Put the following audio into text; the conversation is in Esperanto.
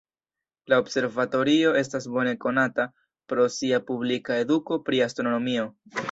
La observatorio estas bone konata pro sia publika eduko pri astronomio.